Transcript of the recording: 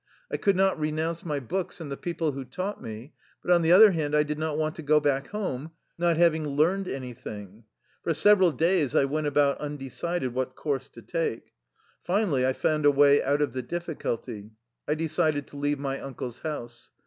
I could not renounce my books and the people who taught me, but, on the other hand, I did not want to go back home, not having learned any thing. For several days I went about un decided what course to take. Finally I found a way out of the difficulty: I decided to leave my uncle's house.